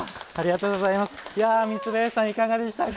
三林さん、いかがでしたか。